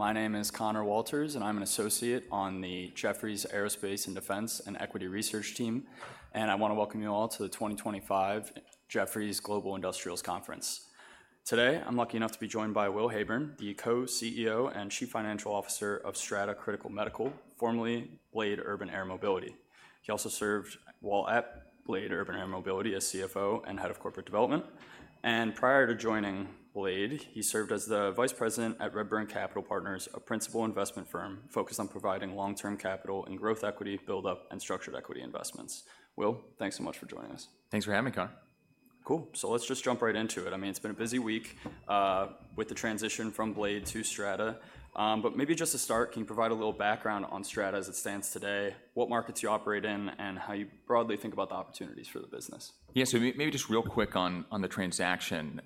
My name is Conor Walters, and I'm an associate on the Jefferies Aerospace & Defense and Equity Research team, and I want to welcome you all to the 2025 Jefferies Global Industrials Conference. Today, I'm lucky enough to be joined by Will Heyburn, the Co-CEO and Chief Financial Officer of Strata Critical medical, formerly BLADE Urban Air Mobility. He also served while at BLADE Urban Air Mobility as CFO and Head of Corporate Development, and prior to joining BLADE, he served as the Vice President at RedBird Capital Partners, a principal investment firm focused on providing long-term capital and growth equity buildup and structured equity investments. Will, thanks so much for joining us. Thanks for having me, Conor. Cool, so let's just jump right into it. I mean, it's been a busy week with the transition from BLADE to Strata. But maybe just to start, can you provide a little background on Strata as it stands today, what markets you operate in, and how you broadly think about the opportunities for the business? Yeah, so maybe just real quick on the transaction.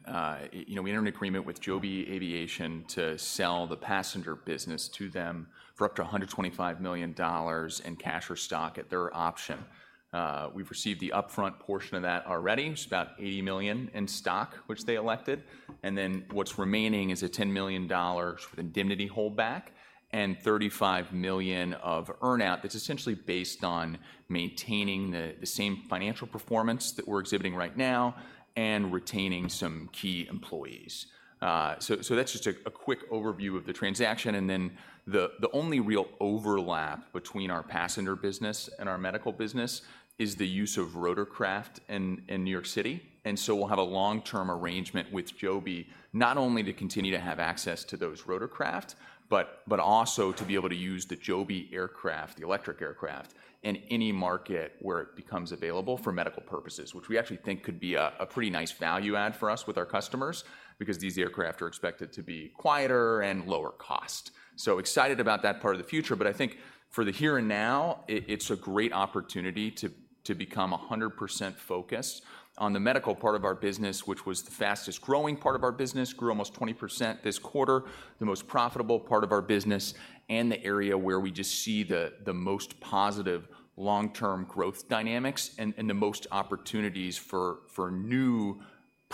You know, we entered an agreement with Joby Aviation to sell the passenger business to them for up to $125 million in cash or stock at their option. We've received the upfront portion of that already, which is about $80 million in stock, which they elected, and then what's remaining is a $10 million indemnity holdback and $35 million of earn-out that's essentially based on maintaining the same financial performance that we're exhibiting right now and retaining some key employees. So that's just a quick overview of the transaction, and then the only real overlap between our passenger business and our medical business is the use of rotorcraft in New York City, and so we'll have a long-term arrangement with Joby, not only to continue to have access to those rotorcraft but also to be able to use the Joby aircraft, the electric aircraft, in any market where it becomes available for medical purposes, which we actually think could be a pretty nice value add for us with our customers because these aircraft are expected to be quieter and lower cost. So excited about that part of the future, but I think for the here and now, it's a great opportunity to become 100% focused on the medical part of our business, which was the fastest-growing part of our business, grew almost 20% this quarter, the most profitable part of our business, and the area where we just see the most positive long-term growth dynamics and the most opportunities for new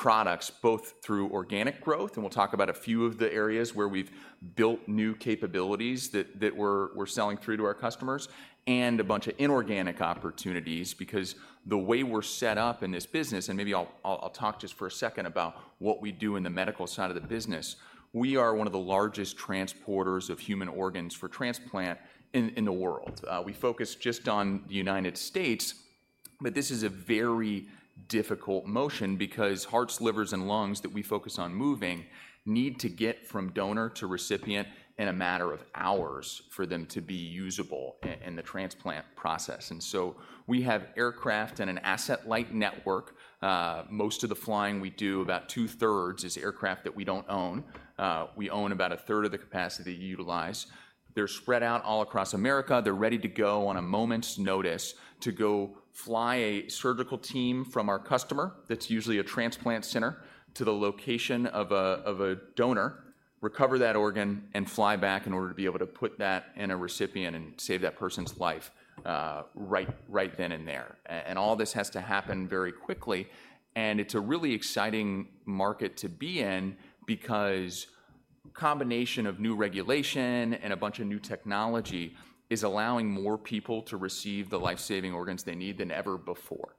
products, both through organic growth, and we'll talk about a few of the areas where we've built new capabilities that we're selling through to our customers, and a bunch of inorganic opportunities. Because the way we're set up in this business, and maybe I'll talk just for a second about what we do in the medical side of the business. We are one of the largest transporters of human organs for transplant in the world. We focus just on the United States, but this is a very difficult mission because hearts, livers, and lungs that we focus on moving need to get from donor to recipient in a matter of hours for them to be usable in the transplant process, and so we have aircraft and an asset-light network. Most of the flying we do, about two-thirds, is aircraft that we don't own. We own about a third of the capacity that we utilize. They're spread out all across America. They're ready to go on a moment's notice to go fly a surgical team from our customer, that's usually a transplant center, to the location of a donor, recover that organ, and fly back in order to be able to put that in a recipient and save that person's life, right, right then and there. And all this has to happen very quickly, and it's a really exciting market to be in because combination of new regulation and a bunch of new technology is allowing more people to receive the life-saving organs they need than ever before.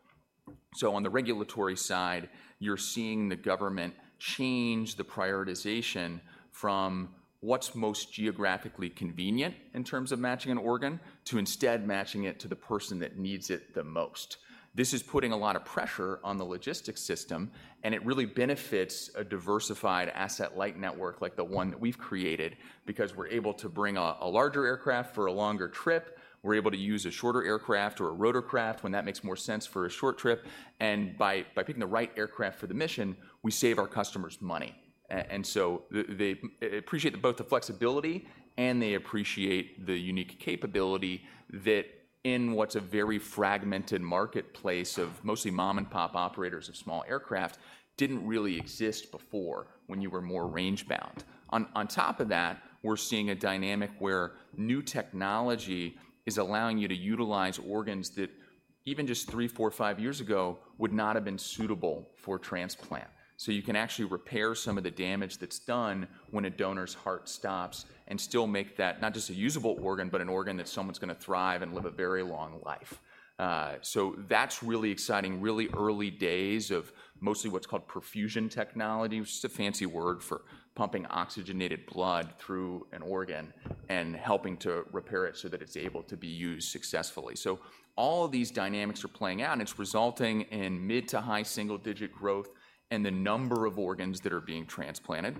So on the regulatory side, you're seeing the government change the prioritization from what's most geographically convenient in terms of matching an organ to instead matching it to the person that needs it the most. This is putting a lot of pressure on the logistics system, and it really benefits a diversified asset-light network like the one that we've created because we're able to bring a larger aircraft for a longer trip. We're able to use a shorter aircraft or a rotorcraft when that makes more sense for a short trip, and by picking the right aircraft for the mission, we save our customers money. And so they appreciate both the flexibility, and they appreciate the unique capability that, in what's a very fragmented marketplace of mostly mom-and-pop operators of small aircraft, didn't really exist before when you were more range-bound. On top of that, we're seeing a dynamic where new technology is allowing you to utilize organs that even just three, four, five years ago would not have been suitable for transplant, so you can actually repair some of the damage that's done when a donor's heart stops and still make that not just a usable organ but an organ that someone's gonna thrive and live a very long life. So that's really exciting, really early days of mostly what's called perfusion technology, which is a fancy word for pumping oxygenated blood through an organ and helping to repair it so that it's able to be used successfully. So all of these dynamics are playing out, and it's resulting in mid to high single-digit growth in the number of organs that are being transplanted.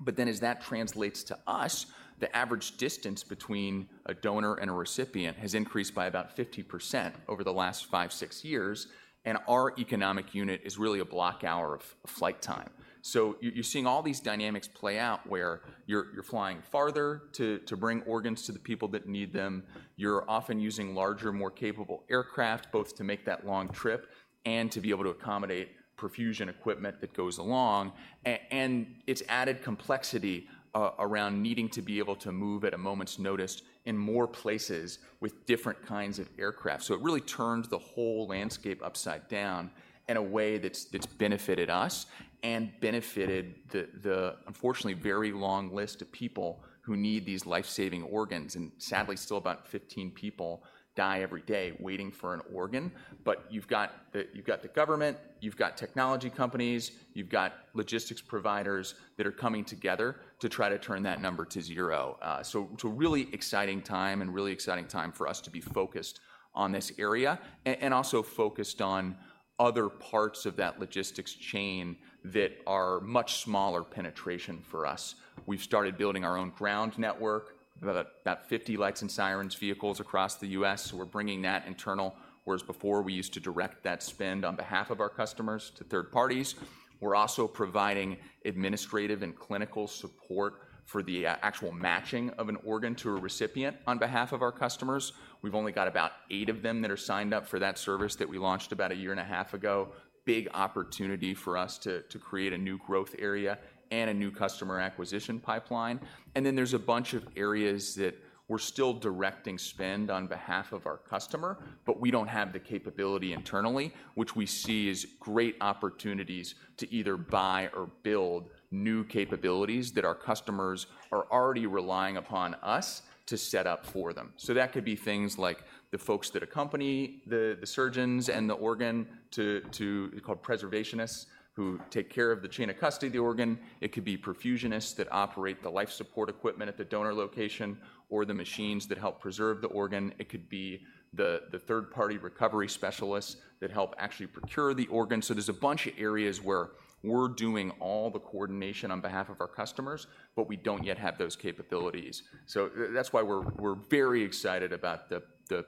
But then as that translates to us, the average distance between a donor and a recipient has increased by about 50% over the last five, six years, and our economic unit is really a block hour of flight time. So you're seeing all these dynamics play out, where you're flying farther to bring organs to the people that need them. You're often using larger, more capable aircraft, both to make that long trip and to be able to accommodate perfusion equipment that goes along. And it's added complexity around needing to be able to move at a moment's notice in more places with different kinds of aircraft, so it really turned the whole landscape upside down in a way that's benefited us. And benefited the unfortunately very long list of people who need these life-saving organs, and sadly, still about 15 people die every day waiting for an organ. But you've got the government, you've got technology companies, you've got logistics providers that are coming together to try to turn that number to zero. So it's a really exciting time, and really exciting time for us to be focused on this area, and also focused on other parts of that logistics chain that are much smaller penetration for us. We've started building our own ground network, about 50 lights and sirens vehicles across the U.S., so we're bringing that internal, whereas before, we used to direct that spend on behalf of our customers to third parties. We're also providing administrative and clinical support for the actual matching of an organ to a recipient on behalf of our customers. We've only got about eight of them that are signed up for that service that we launched about a year and a half ago. Big opportunity for us to, to create a new growth area and a new customer acquisition pipeline, and then there's a bunch of areas that we're still directing spend on behalf of our customer, but we don't have the capability internally, which we see as great opportunities to either buy or build new capabilities that our customers are already relying upon us to set up for them. So that could be things like the folks that accompany the surgeons and the organ to, to called preservationists, who take care of the chain of custody of the organ. It could be perfusionists that operate the life support equipment at the donor location or the machines that help preserve the organ. It could be the third-party recovery specialists that help actually procure the organ. So there's a bunch of areas where we're doing all the coordination on behalf of our customers, but we don't yet have those capabilities. So that's why we're very excited about the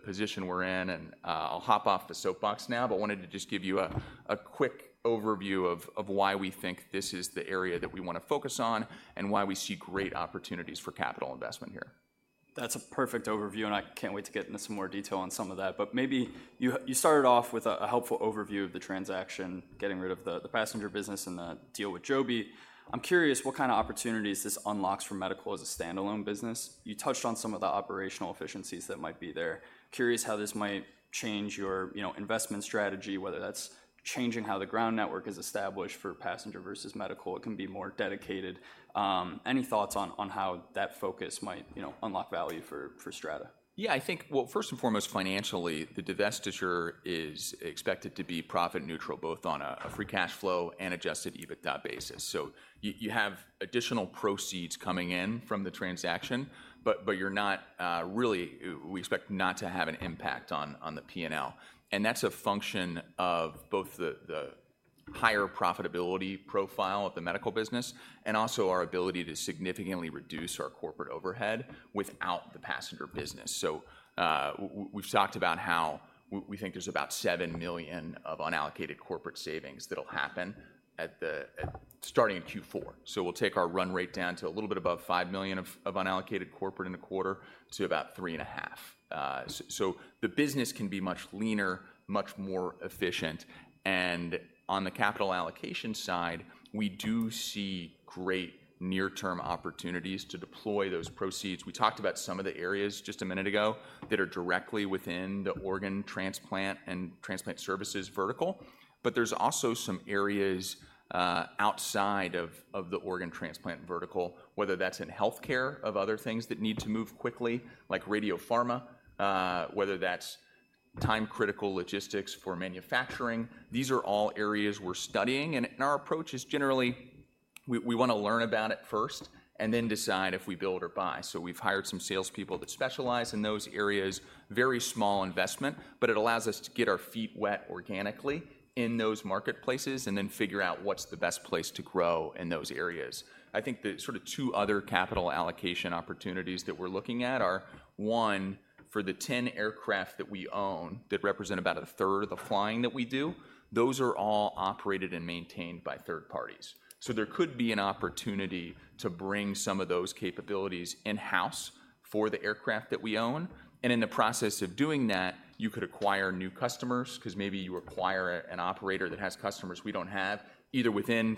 position we're in, and I'll hop off the soapbox now. But I wanted to just give you a quick overview of why we think this is the area that we wanna focus on and why we see great opportunities for capital investment here. That's a perfect overview, and I can't wait to get into some more detail on some of that. But maybe you started off with a helpful overview of the transaction, getting rid of the passenger business and the deal with Joby. I'm curious what kind of opportunities this unlocks for medical as a standalone business. You touched on some of the operational efficiencies that might be there. Curious how this might change your, you know, investment strategy, whether that's changing how the ground network is established for passenger versus medical. It can be more dedicated. Any thoughts on how that focus might, you know, unlock value for Strata? Yeah, I think. Well, first and foremost, financially, the divestiture is expected to be profit neutral, both on a free cash flow and adjusted EBITDA basis. So you have additional proceeds coming in from the transaction, but you're not really. We expect not to have an impact on the P&L, and that's a function of both the higher profitability profile of the medical business and also our ability to significantly reduce our corporate overhead without the passenger business. So we've talked about how we think there's about $7 million of unallocated corporate savings that'll happen starting in Q4. So we'll take our run rate down to a little bit above $5 million of unallocated corporate in a quarter to about $3.5 million. So the business can be much leaner, much more efficient, and on the capital allocation side, we do see great near-term opportunities to deploy those proceeds. We talked about some of the areas just a minute ago that are directly within the organ transplant and transplant services vertical, but there's also some areas outside of the organ transplant vertical, whether that's in healthcare or other things that need to move quickly, like radiopharma, whether that's time-critical logistics for manufacturing. These are all areas we're studying, and our approach is generally we wanna learn about it first and then decide if we build or buy. So we've hired some salespeople that specialize in those areas. Very small investment, but it allows us to get our feet wet organically in those marketplaces and then figure out what's the best place to grow in those areas. I think the sort of two other capital allocation opportunities that we're looking at are, one, for the 10 aircraft that we own, that represent about a third of the flying that we do, those are all operated and maintained by third parties. So there could be an opportunity to bring some of those capabilities in-house for the aircraft that we own, and in the process of doing that, you could acquire new customers, 'cause maybe you acquire an operator that has customers we don't have, either within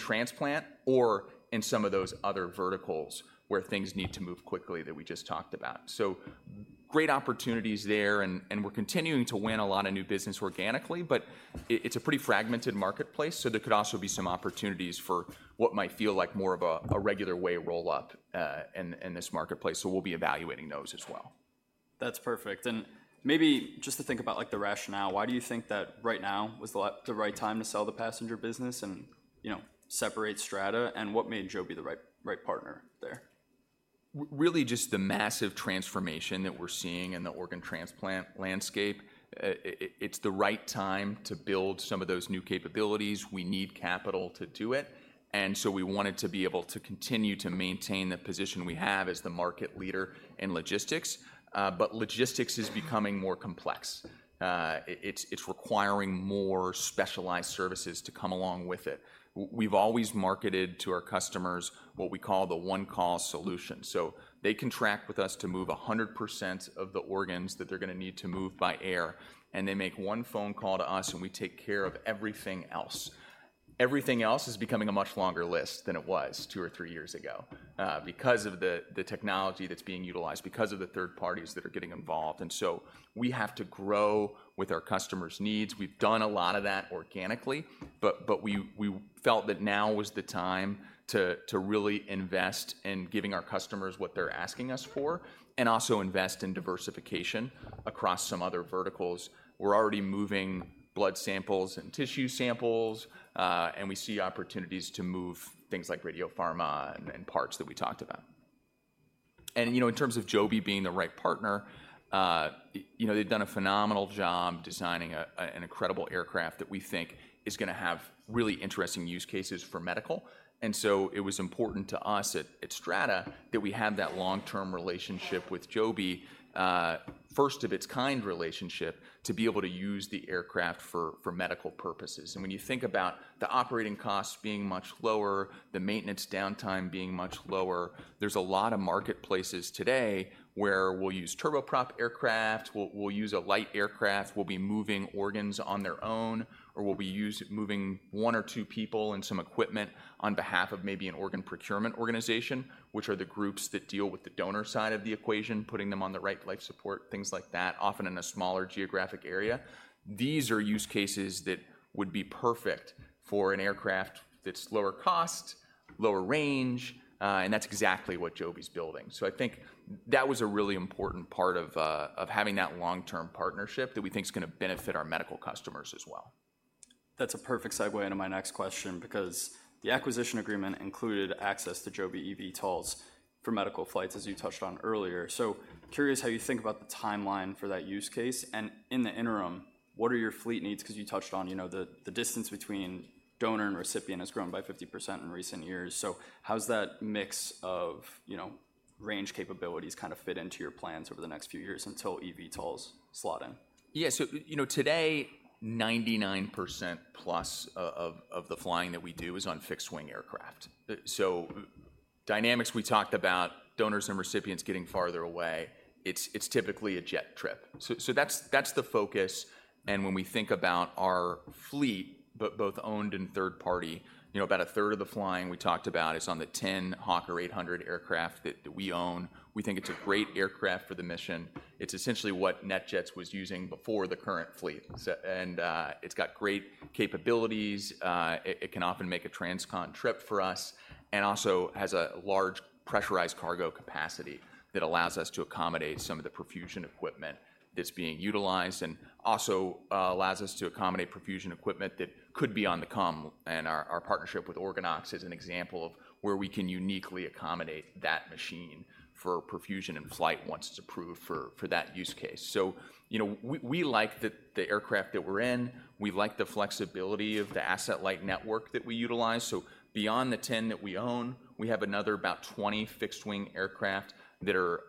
transplant or in some of those other verticals where things need to move quickly that we just talked about. So great opportunities there, and we're continuing to win a lot of new business organically, but it's a pretty fragmented marketplace, so there could also be some opportunities for what might feel like more of a regular way roll-up, in this marketplace, so we'll be evaluating those as well. That's perfect, and maybe just to think about, like, the rationale, why do you think that right now was the right time to sell the passenger business and, you know, separate Strata? And what made Joby the right partner there? Really, just the massive transformation that we're seeing in the organ transplant landscape. It's the right time to build some of those new capabilities. We need capital to do it, and so we wanted to be able to continue to maintain the position we have as the market leader in logistics. But logistics is becoming more complex. It's requiring more specialized services to come along with it. We've always marketed to our customers what we call the one-call solution, so they contract with us to move 100% of the organs that they're gonna need to move by air, and they make one phone call to us, and we take care of everything else. Everything else is becoming a much longer list than it was two or three years ago, because of the technology that's being utilized, because of the third parties that are getting involved. And so we have to grow with our customers' needs. We've done a lot of that organically, but we felt that now was the time to really invest in giving our customers what they're asking us for, and also invest in diversification across some other verticals. We're already moving blood samples and tissue samples, and we see opportunities to move things like radiopharma and parts that we talked about. And, you know, in terms of Joby being the right partner, you know, they've done a phenomenal job designing an incredible aircraft that we think is gonna have really interesting use cases for medical. And so it was important to us at Strata that we have that long-term relationship with Joby, first of its kind relationship, to be able to use the aircraft for medical purposes. And when you think about the operating costs being much lower, the maintenance downtime being much lower, there's a lot of marketplaces today where we'll use turboprop aircraft, we'll use a light aircraft, we'll be moving organs on their own, or we'll be moving one or two people and some equipment on behalf of maybe an organ procurement organization, which are the groups that deal with the donor side of the equation, putting them on the right life support, things like that, often in a smaller geographic area. These are use cases that would be perfect for an aircraft that's lower cost, lower range, and that's exactly what Joby's building. So I think that was a really important part of having that long-term partnership that we think is gonna benefit our medical customers as well. That's a perfect segue into my next question, because the acquisition agreement included access to Joby eVTOLs for medical flights, as you touched on earlier. So curious how you think about the timeline for that use case, and in the interim, what are your fleet needs? Because you touched on, you know, the distance between donor and recipient has grown by 50% in recent years. So how's that mix of, you know, range capabilities kind of fit into your plans over the next few years until eVTOLs slot in? Yeah, so you know, today, 99%+ of the flying that we do is on fixed-wing aircraft. So dynamics, we talked about donors and recipients getting farther away. It's typically a jet trip. So that's the focus, and when we think about our fleet, both owned and third party, you know, about a third of the flying we talked about is on the 10 Hawker 800 aircraft that we own. We think it's a great aircraft for the mission. It's essentially what NetJets was using before the current fleet. So, and, it's got great capabilities. It can often make a transcon trip for us, and also has a large pressurized cargo capacity that allows us to accommodate some of the perfusion equipment that's being utilized, and also allows us to accommodate perfusion equipment that could be on the come, and our partnership with OrganOx is an example of where we can uniquely accommodate that machine for perfusion in flight once it's approved for that use case, so you know, we like the aircraft that we're in. We like the flexibility of the asset light network that we utilize, so beyond the 10 that we own, we have another about 20 fixed-wing aircraft that are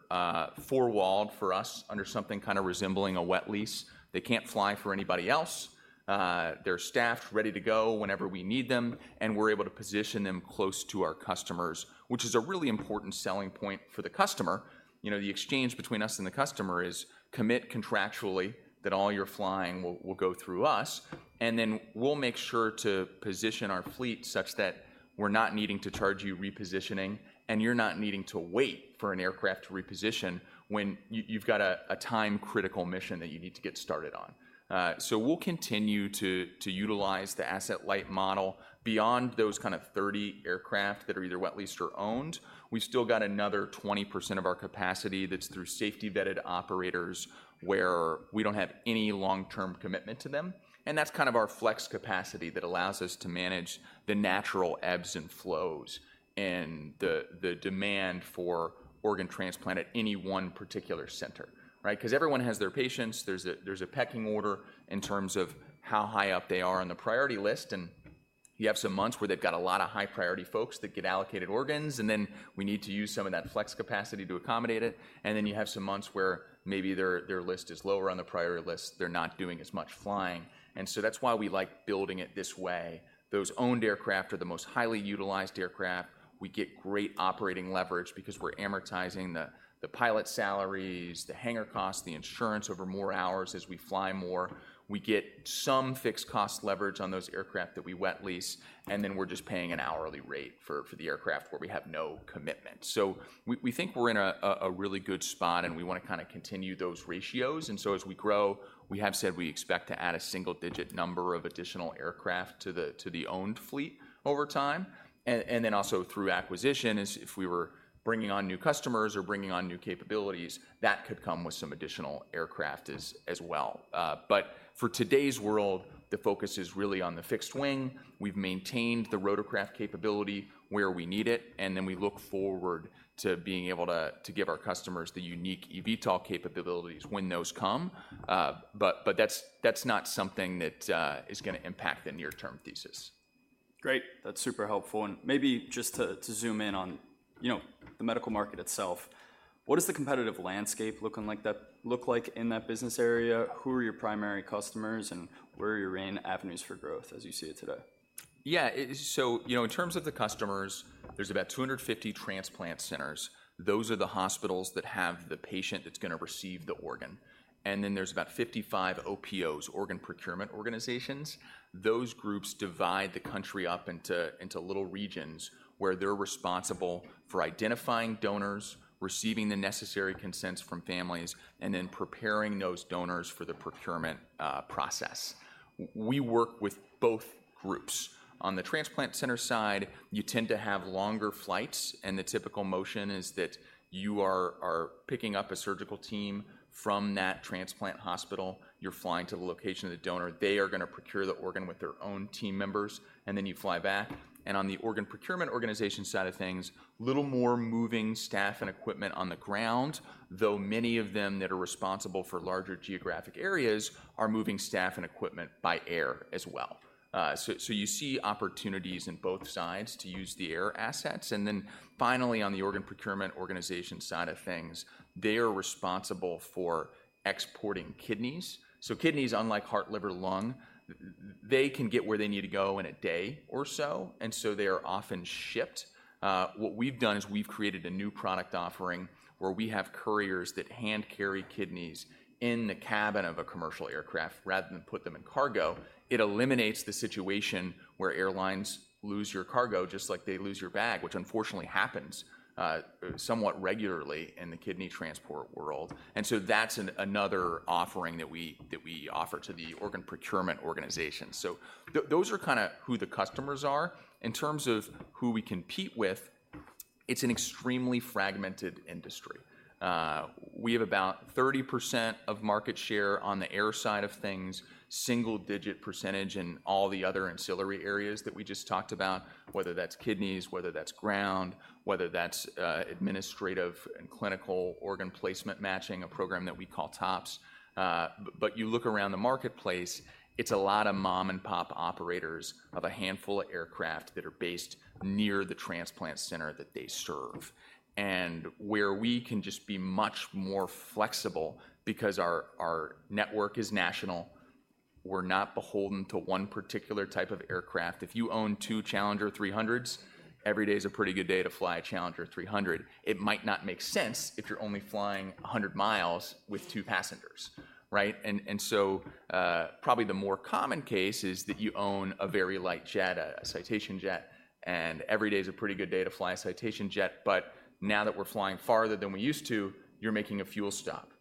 four-walled for us under something kind of resembling a wet lease. They can't fly for anybody else. They're staffed, ready to go whenever we need them, and we're able to position them close to our customers, which is a really important selling point for the customer. You know, the exchange between us and the customer is commit contractually that all your flying will go through us, and then we'll make sure to position our fleet such that we're not needing to charge you repositioning, and you're not needing to wait for an aircraft to reposition when you've got a time-critical mission that you need to get started on. So we'll continue to utilize the asset-light model. Beyond those kind of 30 aircraft that are either wet leased or owned, we've still got another 20% of our capacity that's through safety-vetted operators, where we don't have any long-term commitment to them, and that's kind of our flex capacity that allows us to manage the natural ebbs and flows and the demand for organ transplant at any one particular center, right? Because everyone has their patients. There's a pecking order in terms of how high up they are on the priority list, and you have some months where they've got a lot of high priority folks that get allocated organs, and then we need to use some of that flex capacity to accommodate it, and then you have some months where maybe their list is lower on the priority list. They're not doing as much flying, and so that's why we like building it this way. Those owned aircraft are the most highly utilized aircraft. We get great operating leverage because we're amortizing the pilot salaries, the hangar costs, the insurance over more hours as we fly more. We get some fixed cost leverage on those aircraft that we wet lease, and then we're just paying an hourly rate for the aircraft where we have no commitment. So we think we're in a really good spot, and we want to kind of continue those ratios. And so as we grow, we have said we expect to add a single-digit number of additional aircraft to the owned fleet over time. Then also through acquisition, as if we were bringing on new customers or bringing on new capabilities, that could come with some additional aircraft as well. But for today's world, the focus is really on the fixed wing. We've maintained the rotorcraft capability where we need it, and then we look forward to being able to give our customers the unique eVTOL capabilities when those come. But that's not something that is gonna impact the near-term thesis. Great! That's super helpful. And maybe just to zoom in on, you know, the medical market itself, what is the competitive landscape looking like in that business area? Who are your primary customers, and where are your main avenues for growth as you see it today? Yeah, so, you know, in terms of the customers, there are about 250 transplant centers. Those are the hospitals that have the patient that's gonna receive the organ, and then there are about 55 OPOs, organ procurement organizations. Those groups divide the country up into little regions where they're responsible for identifying donors, receiving the necessary consents from families, and then preparing those donors for the procurement process. We work with both groups. On the transplant center side, you tend to have longer flights, and the typical motion is that you are picking up a surgical team from that transplant hospital. You're flying to the location of the donor. They are gonna procure the organ with their own team members, and then you fly back. And on the organ procurement organization side of things, a little more moving staff and equipment on the ground, though many of them that are responsible for larger geographic areas are moving staff and equipment by air as well. So you see opportunities in both sides to use the air assets, and then finally, on the organ procurement organization side of things, they are responsible for exporting kidneys. So kidneys, unlike heart, liver, lung, they can get where they need to go in a day or so, and so they are often shipped. What we've done is we've created a new product offering where we have couriers that hand-carry kidneys in the cabin of a commercial aircraft rather than put them in cargo. It eliminates the situation where airlines lose your cargo just like they lose your bag, which unfortunately happens somewhat regularly in the kidney transport world, and so that's another offering that we offer to the organ procurement organization, so those are kind of who the customers are. In terms of who we compete with, it's an extremely fragmented industry. We have about 30% of market share on the air side of things, single-digit percentage in all the other ancillary areas that we just talked about, whether that's kidneys, whether that's ground, whether that's administrative and clinical organ placement matching, a program that we call TOPS. But you look around the marketplace, it's a lot of mom-and-pop operators of a handful of aircraft that are based near the transplant center that they serve. And where we can just be much more flexible because our network is national, we're not beholden to one particular type of aircraft. If you own two Challenger 300s, every day is a pretty good day to fly a Challenger 300. It might not make sense if you're only flying a hundred miles with two passengers, right? And so, probably the more common case is that you own a very light jet, a Citation jet, and every day is a pretty good day to fly a Citation jet. But now that we're flying farther than we used to, you're making a fuel stop.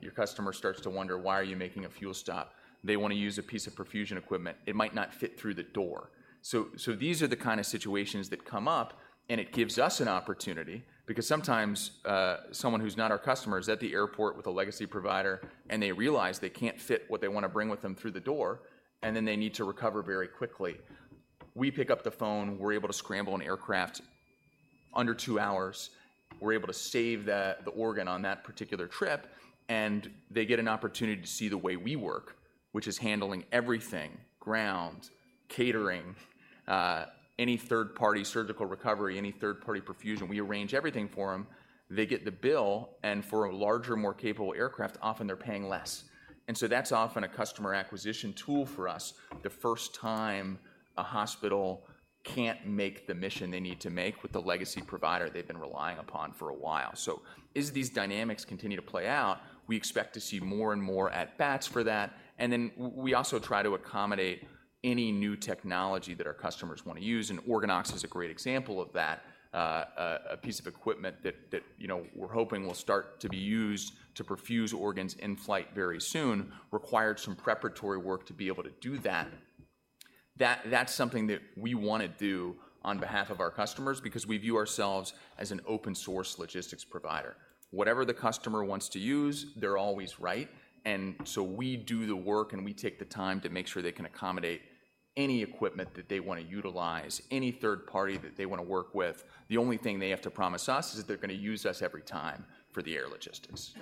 Your customer starts to wonder, "Why are you making a fuel stop?" They want to use a piece of perfusion equipment. It might not fit through the door. So these are the kind of situations that come up, and it gives us an opportunity because sometimes someone who's not our customer is at the airport with a legacy provider, and they realize they can't fit what they want to bring with them through the door, and then they need to recover very quickly. We pick up the phone. We're able to scramble an aircraft under two hours. We're able to save the organ on that particular trip, and they get an opportunity to see the way we work, which is handling everything, ground, catering, any third-party surgical recovery, any third-party perfusion. We arrange everything for them. They get the bill, and for a larger, more capable aircraft, often they're paying less, and so that's often a customer acquisition tool for us the first time a hospital can't make the mission they need to make with the legacy provider they've been relying upon for a while. So as these dynamics continue to play out, we expect to see more and more at bats for that, and then we also try to accommodate any new technology that our customers want to use, and OrganOx is a great example of that. A piece of equipment that, you know, we're hoping will start to be used to perfuse organs in flight very soon required some preparatory work to be able to do that. That's something that we want to do on behalf of our customers because we view ourselves as an open-source logistics provider. Whatever the customer wants to use, they're always right, and so we do the work, and we take the time to make sure they can accommodate any equipment that they want to utilize, any third party that they want to work with. The only thing they have to promise us is that they're gonna use us every time for the air logistics.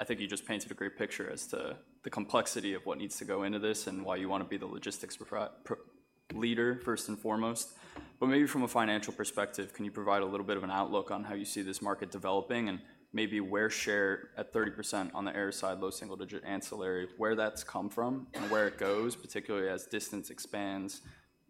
I think you just painted a great picture as to the complexity of what needs to go into this and why you want to be the logistics provider leader, first and foremost. But maybe from a financial perspective, can you provide a little bit of an outlook on how you see this market developing and maybe where share at 30% on the air side, low single-digit ancillary, where that's come from and where it goes? Particularly as distance expands,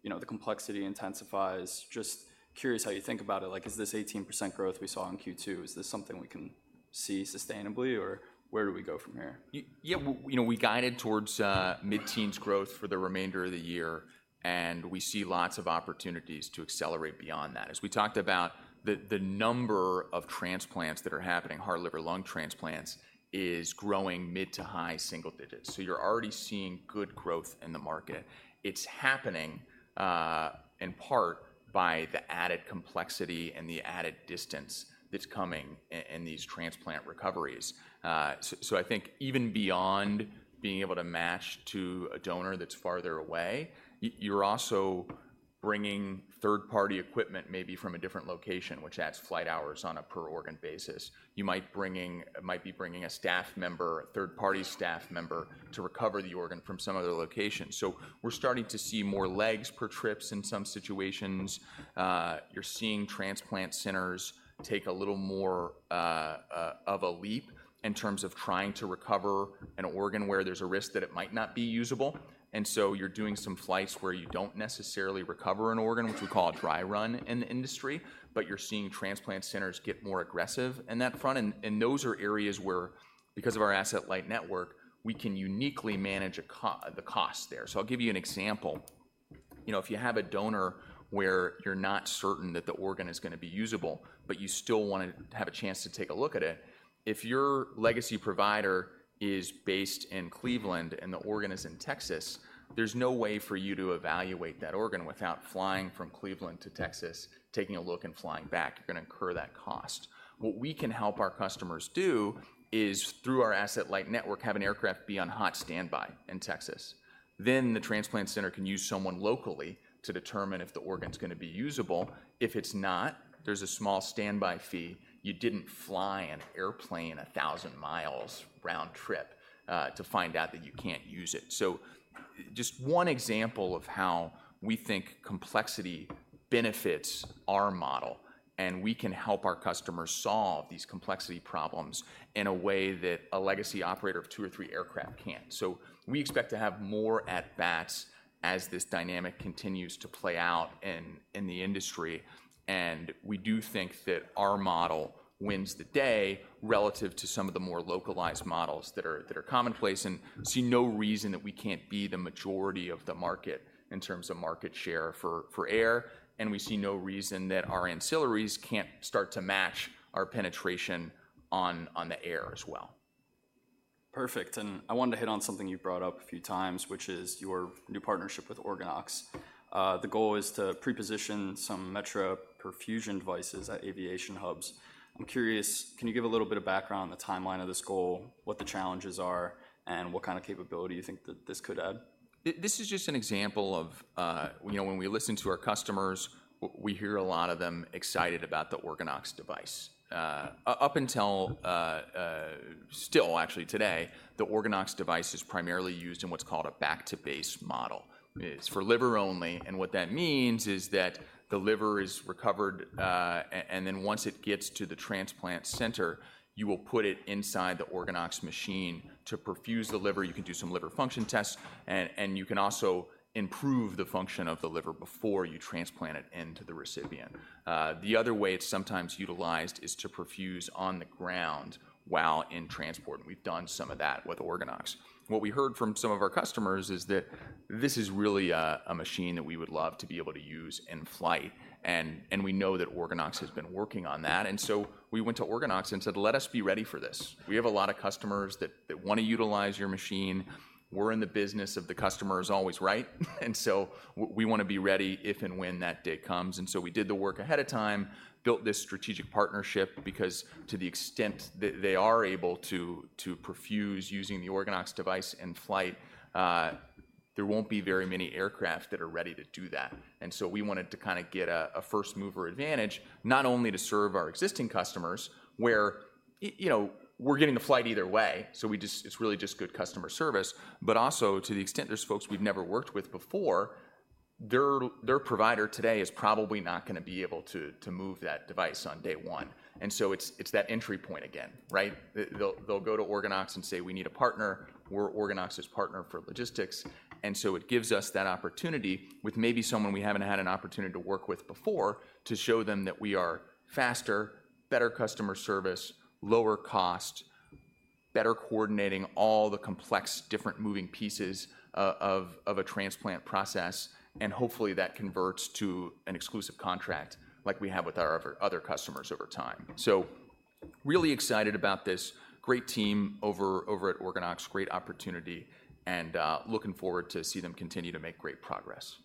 you know, the complexity intensifies. Just curious how you think about it. Like, is this 18% growth we saw in Q2, is this something we can see sustainably, or where do we go from here? Yeah, you know, we guided towards mid-teens growth for the remainder of the year, and we see lots of opportunities to accelerate beyond that. As we talked about, the number of transplants that are happening, heart, liver, lung transplants, is growing mid to high single-digits, so you're already seeing good growth in the market. It's happening in part by the added complexity and the added distance that's coming in these transplant recoveries. So, so I think even beyond being able to match to a donor that's farther away, you're also bringing third-party equipment maybe from a different location, which adds flight hours on a per organ basis. You might be bringing a staff member, a third-party staff member, to recover the organ from some other location. So we're starting to see more legs per trips in some situations. You're seeing transplant centers take a little more of a leap in terms of trying to recover an organ where there's a risk that it might not be usable, and so you're doing some flights where you don't necessarily recover an organ, which we call a dry run in the industry. But you're seeing transplant centers get more aggressive in that front, and those are areas where, because of our asset light network, we can uniquely manage the cost there. So I'll give you an example.... You know, if you have a donor where you're not certain that the organ is gonna be usable, but you still want to have a chance to take a look at it, if your legacy provider is based in Cleveland and the organ is in Texas, there's no way for you to evaluate that organ without flying from Cleveland to Texas, taking a look, and flying back. You're gonna incur that cost. What we can help our customers do is, through our asset light network, have an aircraft be on hot standby in Texas. Then the transplant center can use someone locally to determine if the organ's gonna be usable. If it's not, there's a small standby fee. You didn't fly an airplane a thousand miles round trip to find out that you can't use it. So just one example of how we think complexity benefits our model, and we can help our customers solve these complexity problems in a way that a legacy operator of two or three aircraft can't. We expect to have more at-bats as this dynamic continues to play out in the industry, and we do think that our model wins the day relative to some of the more localized models that are commonplace, and see no reason that we can't be the majority of the market in terms of market share for air, and we see no reason that our ancillaries can't start to match our penetration on the air as well. Perfect, and I wanted to hit on something you brought up a few times, which is your new partnership with OrganOx. The goal is to pre-position some metra perfusion devices at aviation hubs. I'm curious, can you give a little bit of background on the timeline of this goal, what the challenges are, and what kind of capability you think that this could add? This is just an example of, you know, when we listen to our customers, we hear a lot of them excited about the OrganOx device. Up until still actually today, the OrganOx device is primarily used in what's called a back-to-base model. It's for liver only, and what that means is that the liver is recovered, and then once it gets to the transplant center, you will put it inside the OrganOx machine to perfuse the liver. You can do some liver function tests, and you can also improve the function of the liver before you transplant it into the recipient. The other way it's sometimes utilized is to perfuse on the ground while in transport, and we've done some of that with OrganOx. What we heard from some of our customers is that this is really a machine that we would love to be able to use in flight, and we know that OrganOx has been working on that. And so we went to OrganOx and said, "Let us be ready for this. We have a lot of customers that want to utilize your machine." We're in the business of the customer is always right, and so we want to be ready if and when that day comes. And so we did the work ahead of time, built this strategic partnership, because to the extent that they are able to perfuse using the OrganOx device in flight, there won't be very many aircraft that are ready to do that. And so we wanted to kind of get a first-mover advantage, not only to serve our existing customers, where, you know, we're getting the flight either way, so we just. It's really just good customer service. But also, to the extent there's folks we've never worked with before, their provider today is probably not gonna be able to move that device on day one, and so it's that entry point again, right? They'll go to OrganOx and say, "We need a partner." We're OrganOx's partner for logistics, and so it gives us that opportunity with maybe someone we haven't had an opportunity to work with before to show them that we are faster, better customer service, lower cost, better coordinating all the complex, different moving pieces of a transplant process, and hopefully that converts to an exclusive contract like we have with our other customers over time. So really excited about this. Great team over at OrganOx, great opportunity, and looking forward to see them continue to make great progress.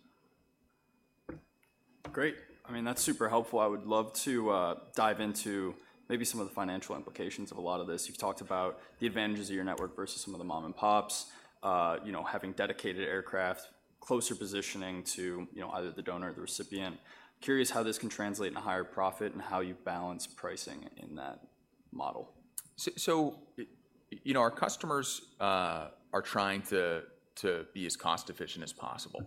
Great! I mean, that's super helpful. I would love to dive into maybe some of the financial implications of a lot of this. You've talked about the advantages of your network versus some of the mom and pops, you know, having dedicated aircraft, closer positioning to, you know, either the donor or the recipient. Curious how this can translate into higher profit and how you balance pricing in that model. So, you know, our customers are trying to be as cost efficient as possible,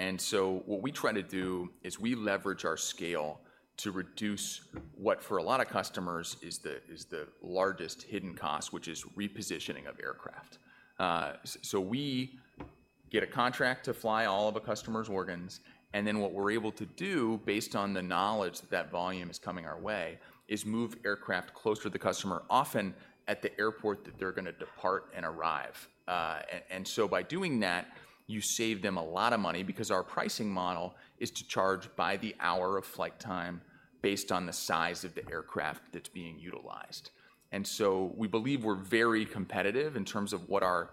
and so what we try to do is we leverage our scale to reduce what, for a lot of customers, is the largest hidden cost, which is repositioning of aircraft. So we get a contract to fly all of a customer's organs, and then what we're able to do, based on the knowledge that that volume is coming our way, is move aircraft closer to the customer, often at the airport that they're gonna depart and arrive. And so by doing that, you save them a lot of money, because our pricing model is to charge by the hour of flight time based on the size of the aircraft that's being utilized. And so we believe we're very competitive in terms of what our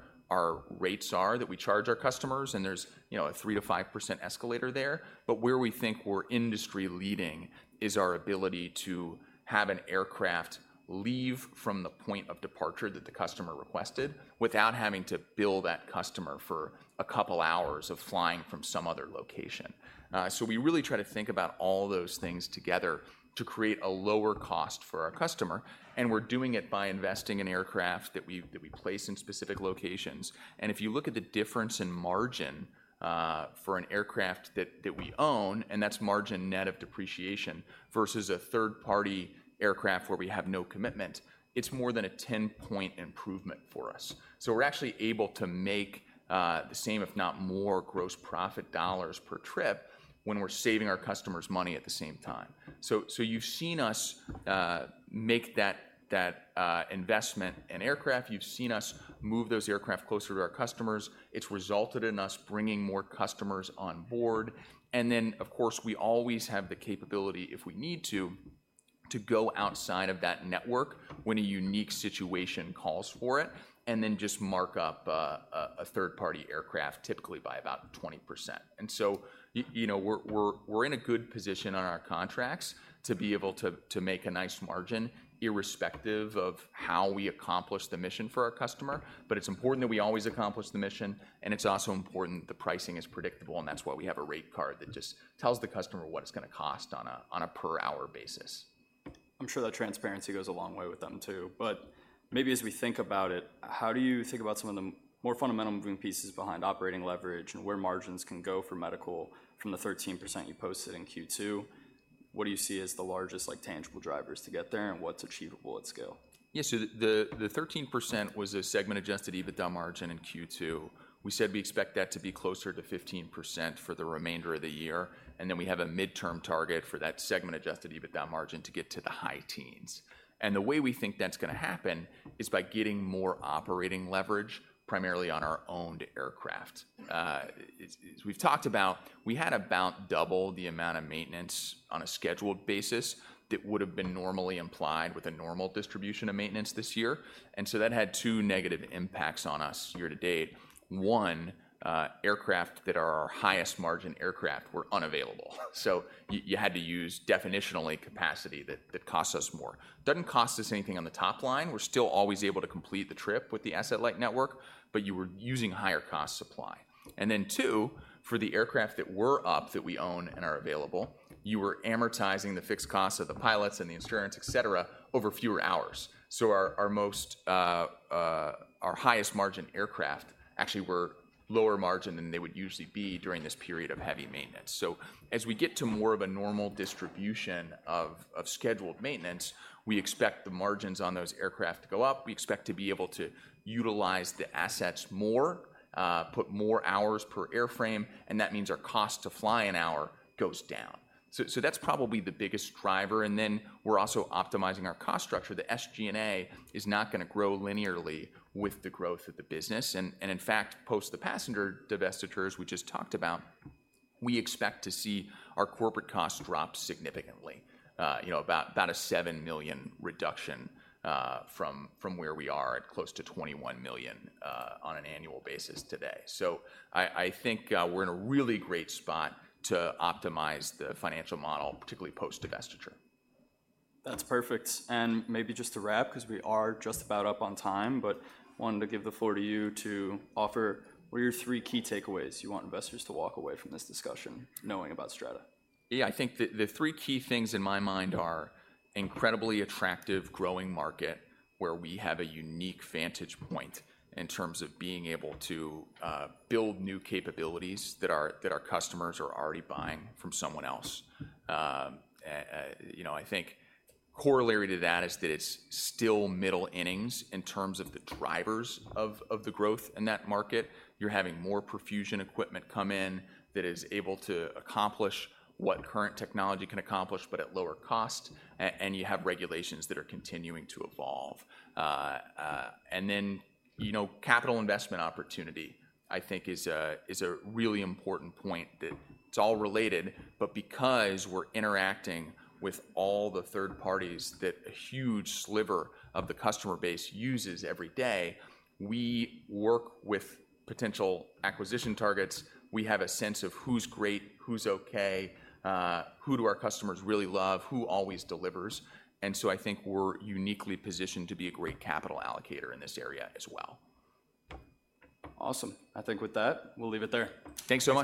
rates are that we charge our customers, and there's, you know, a 3%-5% escalator there. But where we think we're industry leading is our ability to have an aircraft leave from the point of departure that the customer requested without having to bill that customer for a couple hours of flying from some other location. So we really try to think about all those things together to create a lower cost for our customer, and we're doing it by investing in aircraft that we place in specific locations. And if you look at the difference in margin, for an aircraft that we own, and that's margin net of depreciation, versus a third-party aircraft where we have no commitment, it's more than a 10-point improvement for us. So we're actually able to make the same if not more gross profit dollars per trip when we're saving our customers money at the same time. So you've seen us make that investment in aircraft. You've seen us move those aircraft closer to our customers. It's resulted in us bringing more customers on board, and then, of course, we always have the capability, if we need to, to go outside of that network when a unique situation calls for it, and then just mark up a third-party aircraft, typically by about 20%. And so you know, we're in a good position on our contracts to be able to make a nice margin, irrespective of how we accomplish the mission for our customer, but it's important that we always accomplish the mission, and it's also important the pricing is predictable, and that's why we have a rate card that just tells the customer what it's gonna cost on a per-hour basis. I'm sure that transparency goes a long way with them, too, but maybe as we think about it, how do you think about some of the more fundamental moving pieces behind operating leverage and where margins can go for medical from the 13% you posted in Q2? What do you see as the largest, like, tangible drivers to get there, and what's achievable at scale? Yeah, so the 13% was a segment-adjusted EBITDA margin in Q2. We said we expect that to be closer to 15% for the remainder of the year, and then we have a midterm target for that segment-adjusted EBITDA margin to get to the high teens. The way we think that's gonna happen is by getting more operating leverage, primarily on our owned aircraft. As we've talked about, we had about double the amount of maintenance on a scheduled basis that would've been normally implied with a normal distribution of maintenance this year, and so that had two negative impacts on us year to date. One, aircraft that are our highest-margin aircraft were unavailable, so you had to use definitionally capacity that costs us more. Doesn't cost us anything on the top line. We're still always able to complete the trip with the asset-light network, but you were using higher-cost supply. And then two, for the aircraft that were up that we own and are available, you were amortizing the fixed costs of the pilots and the insurance, et cetera, over fewer hours. So our highest-margin aircraft actually were lower-margin than they would usually be during this period of heavy maintenance. So as we get to more of a normal distribution of scheduled maintenance, we expect the margins on those aircraft to go up. We expect to be able to utilize the assets more, put more hours per airframe, and that means our cost to fly an hour goes down. So that's probably the biggest driver, and then we're also optimizing our cost structure. The SG&A is not gonna grow linearly with the growth of the business, and in fact, post the passenger divestitures we just talked about, we expect to see our corporate costs drop significantly, you know, about a $7 million reduction, from where we are at close to $21 million, on an annual basis today. So I think, we're in a really great spot to optimize the financial model, particularly post-divestiture. That's perfect, and maybe just to wrap, 'cause we are just about up on time, but wanted to give the floor to you to offer what are your three key takeaways you want investors to walk away from this discussion knowing about Strata? Yeah, I think the three key things in my mind are incredibly attractive, growing market where we have a unique vantage point in terms of being able to build new capabilities that our customers are already buying from someone else. You know, I think corollary to that is that it's still middle innings in terms of the drivers of the growth in that market. You're having more perfusion equipment come in that is able to accomplish what current technology can accomplish but at lower cost, and you have regulations that are continuing to evolve. And then, you know, capital investment opportunity, I think, is a really important point that it's all related, but because we're interacting with all the third parties that a huge sliver of the customer base uses every day, we work with potential acquisition targets. We have a sense of who's great, who's okay, who do our customers really love, who always delivers, and so I think we're uniquely positioned to be a great capital allocator in this area as well. Awesome. I think with that, we'll leave it there. Thanks so much.